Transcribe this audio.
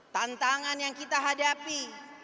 tantangan yang kita hadapi